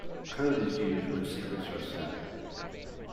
Code is used when secrets are sent.